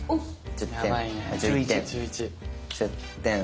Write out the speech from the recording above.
１０点。